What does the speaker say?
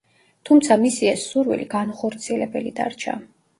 თუმცა მისი ეს სურვილი განუხორციელებელი დარჩა.